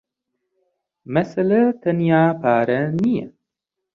مەسەلە تەنیا پارە نییە.